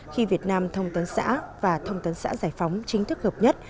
khi việt nam thông tấn xã và thông tấn xã giải phóng chính thức gợp nhất